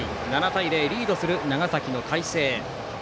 ７対０、リードする長崎の海星。